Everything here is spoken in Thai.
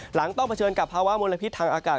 ต้องเผชิญกับภาวะมลพิษทางอากาศ